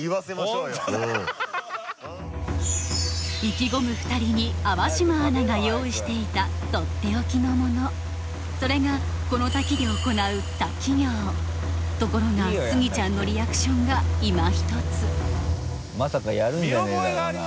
意気込む２人に粟島アナが用意していたとっておきのものそれがこの滝で行うところがスギちゃんのリアクションがいまひとつまさかやるんじゃねぇだろうな？